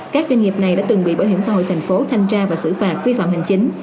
các doanh nghiệp này đã từng bị bảo hiểm xã hội thành phố thanh tra và xử phạt vi phạm hành chính